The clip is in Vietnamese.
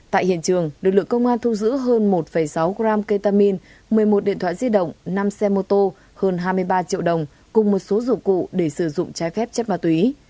tại hiện trường lực lượng công an thu giữ hơn một sáu gram ketamine một mươi một điện thoại di động năm xe mô tô hơn hai mươi ba triệu đồng cùng một số dụng cụ để sử dụng trái phép chất ma túy